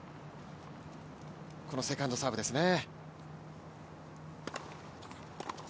このセカンドサーブですね。